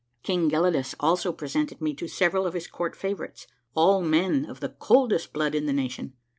King Gelidus also presented me to several of his court favorites, all men of the coldest blood in the nation.